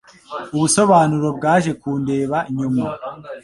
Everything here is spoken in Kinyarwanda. Ubusobanuro bwaje kundeba nyuma.